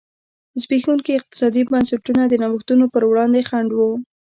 زبېښونکي اقتصادي بنسټونه د نوښتونو پر وړاندې خنډ و.